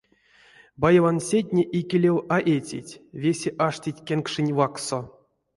Баевансетне икелев а эцить, весе аштить кенкшенть вакссо.